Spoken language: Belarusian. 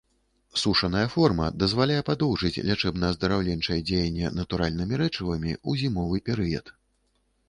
Сушаная форма дазваляе падоўжыць лячэбна-аздараўленчае дзеянне натуральнымі рэчывамі ў зімовы перыяд.